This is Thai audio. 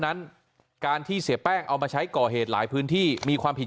นั้นการที่เสียแป้งเอามาใช้ก่อเหตุหลายพื้นที่มีความผิด